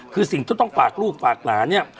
คือสิ่งที่ต้องฝากลูกฝากหลานเนี่ย